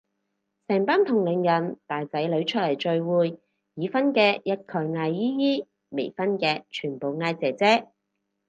成班同齡人帶仔女出嚟聚會，已婚嘅一概嗌姨姨，未婚嘅全部嗌姐姐